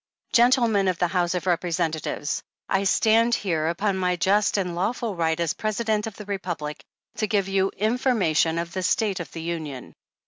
"Gentlemen of the House of Representatives, I stand here upon my just and lawful right as Presi dent of the Republic, to give you ^ information of the state of the Union.'